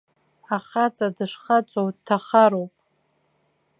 Ахаҵа дышхаҵоу дҭахароуп.